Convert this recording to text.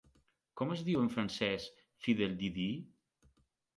Com es diu en francès "fiddle-de-dee"?